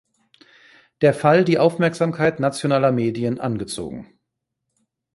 Der Fall die Aufmerksamkeit nationaler Medien angezogen.